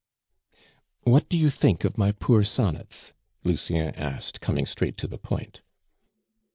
"What do you think of my poor sonnets?" Lucien asked, coming straight to the point.